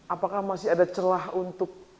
apakah masih ada celah untuk